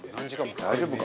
大丈夫か？